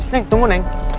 neng tunggu neng